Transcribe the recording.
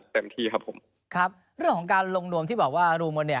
เต็มที่ครับผมครับเรื่องของการลงนวมที่บอกว่ารูมกันเนี่ย